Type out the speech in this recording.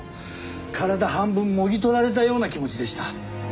体半分もぎ取られたような気持ちでした。